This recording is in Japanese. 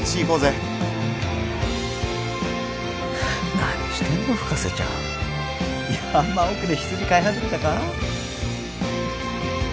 「何してんの深瀬ちゃん」「山奥で羊飼い始めたか？」